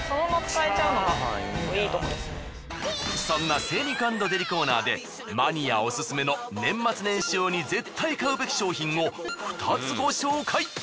そんな精肉＆デリコーナーでマニアオススメの年末年始用に絶対買うべき商品を２つご紹介！